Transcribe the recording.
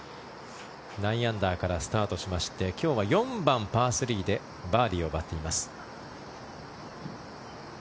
９アンダーからスタートしまして今日は４番、パー３でバーディーを奪っています。